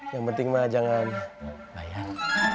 yang penting mah jangan layan